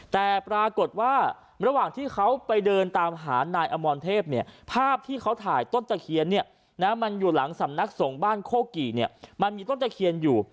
แต่ปรากฏว่าระหว่างที่เขาไปเดินตามหานายอมรเทพเนี่ยภาพที่เขาถ่ายต้นตะเคียนเนี่ยนะมันอยู่หลังสำนักสงฆ์บ้านโคกี่เนี่ยมันมีต้นตะเคียนอยู่